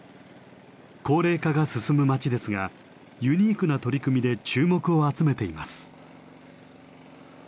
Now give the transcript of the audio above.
高齢化が進む町ですがユニークな取り組みで注目を集めています。